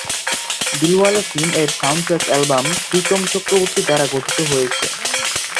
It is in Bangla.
দিলওয়ালে ফিল্ম এর সাউন্ডট্র্যাক অ্যালবাম, প্রীতম চক্রবর্তী দ্বারা গঠিত হয়েছে।